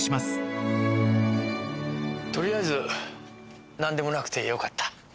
取りあえず何でもなくてよかった。